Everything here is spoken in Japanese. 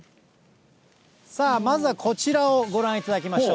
さあ、まずはこちらをご覧いただきましょう。